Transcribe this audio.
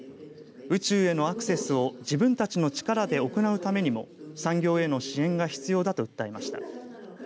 宇宙へのアクセスを自分たちの力で行うためにも産業への支援が必要だと訴えました。